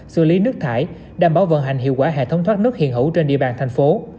xử lý nước thải đảm bảo vận hành hiệu quả hệ thống thoát nước hiện hữu trên địa bàn thành phố